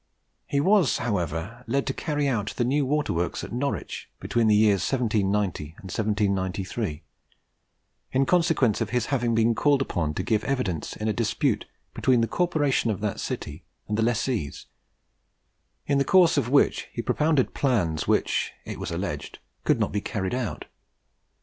He was, however, led to carry out the new water works at Norwich, between the years 1790 and 1793, in consequence of his having been called upon to give evidence in a dispute between the corporation of that city and the lessees, in the course of which he propounded plans which, it was alleged, could not be carried out.